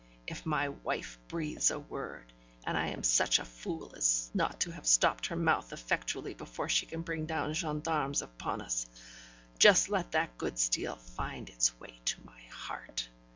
If my wife breathes a word, and I am such a fool as not to have stopped her mouth effectually before she can bring down gendarmes upon us, just let that good steel find its way to my heart.